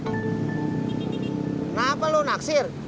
kenapa lo naksir